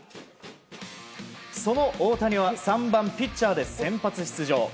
その大谷は３番ピッチャーで先発出場。